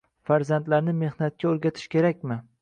Farzandlarni mehnatga o‘rgatish kerakmi?